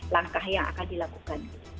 langkah yang akan dilakukan